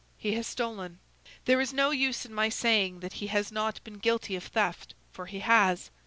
he has stolen! There is no use in my saying that he has not been guilty of theft, for he has!